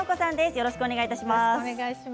よろしくお願いします。